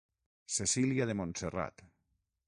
Cecília de Montserrat.